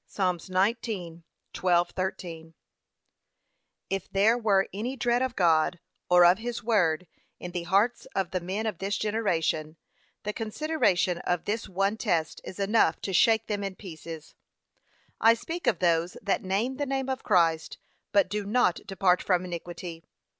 (Psa. 19:12, 13) If there were any dread of God, or of his word, in the hearts of the men of this generation, the consideration of this one test is enough to shake them in pieces: I speak of those that name the name of Christ, but do not depart from iniquity.